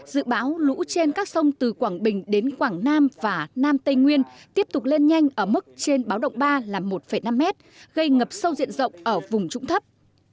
dự báo lũ trên các sông từ quảng bình đến quảng nam và nam tây nguyên tiếp tục lên nhanh ở mức trên báo động ba là một năm m gây ngập sâu diện rộng ở vùng trũng thấp